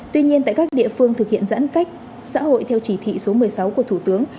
tuy nhiên tại các địa phương thực hiện giãn cách xã hội theo chỉ thị số một mươi sáu của thủ tướng